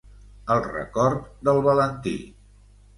El record del Valentí!